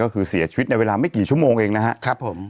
ก็คือเสียชีวิตในเวลาไม่กี่ชั่วโมงเองนะครับผม